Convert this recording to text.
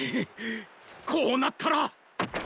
こうなったらうお！